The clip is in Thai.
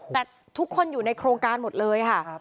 แต่ทุกคนอยู่ในโครงการหมดเลยค่ะ